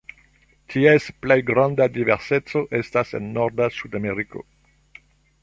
Ties plej granda diverseco estas en norda Sudameriko.